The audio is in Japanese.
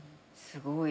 すごい！